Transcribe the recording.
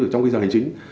trong cái giờ hành chính